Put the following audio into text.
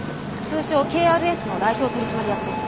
通称ＫＲＳの代表取締役です。